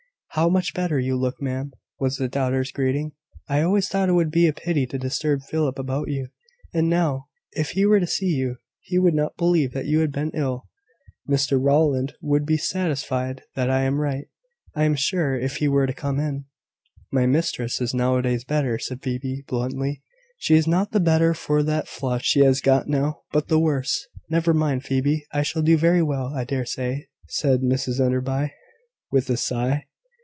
"How much better you look, ma'am!" was the daughter's greeting. "I always thought it would be a pity to disturb Philip about you: and now, if he were to see you, he would not believe that you had been ill. Mr Rowland would be satisfied that I am right, I am sure, if he were to come in." "My mistress is noways better," said Phoebe, bluntly. "She is not the better for that flush she has got now, but the worse." "Never mind, Phoebe! I shall do very well, I dare say," said Mrs Enderby, with a sigh.